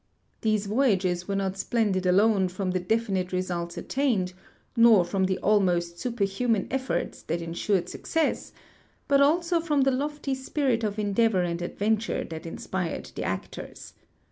These voj^ages were not splended alone from the defi nite results attained, nor from the almost sui)erhuman efforts that ensured success, but also from the lofty spirit of endeavor and adventure that inspired the actors.